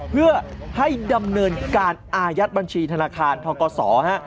เพื่อให้ดำเนินการอายัดบัญชีธนาคารทกศ